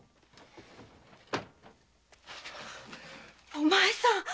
お前さん！